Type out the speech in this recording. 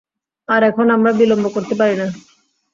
আর এখন আমরা বিলম্ব করতে পারি না।